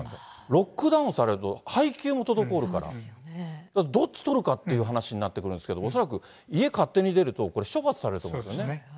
ロックダウンされると、配給も滞るから、どっち取るかっていう話になってくるんですけど、恐らく家勝手に出ると、これ、処罰されると思うんですよね。